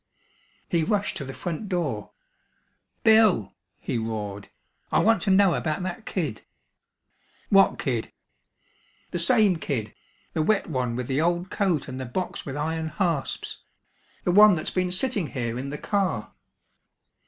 He rushed to the front door. "Bill," he roared, "I want to know about that kid." "What kid?" "The same kid! The wet one with the old coat and the box with iron hasps! The one that's been sitting here in the car!"